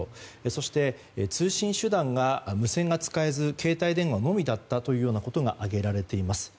そして通信手段が、無線が使えず携帯電話のみだったということが挙げられています。